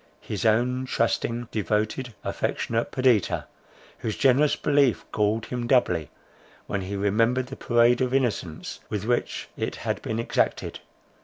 —his own trusting, devoted, affectionate Perdita, whose generous belief galled him doubly, when he remembered the parade of innocence with which it had been exacted.